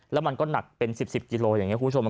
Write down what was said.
แล้วมันก็หนักเป็น๑๐กิโลกรัม